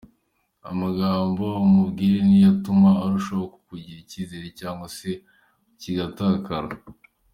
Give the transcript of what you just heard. Amagambo umubwire ni yo atuma arushaho kukugirira icyizere cyangwa se kigatakara.